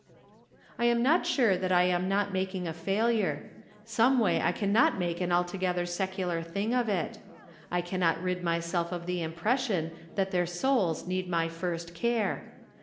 I am not sure that I am not making a failure. Someway I can not make an altogether secular thing of it. I can not rid myself of the impres sion that their souls need my first care.